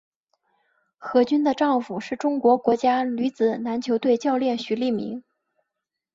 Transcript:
何军的丈夫是中国国家女子篮球队教练许利民。